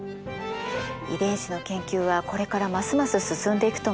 遺伝子の研究はこれからますます進んでいくと思います。